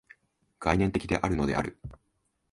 概念的であるのである。